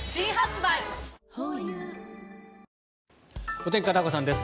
お天気、片岡さんです。